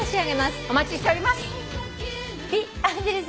お待ちしております。